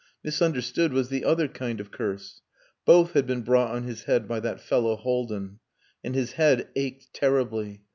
Misunderstood was the other kind of curse. Both had been brought on his head by that fellow Haldin. And his head ached terribly.